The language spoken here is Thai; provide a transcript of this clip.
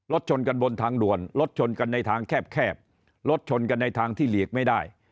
ชนกันบนทางด่วนรถชนกันในทางแคบรถชนกันในทางที่หลีกไม่ได้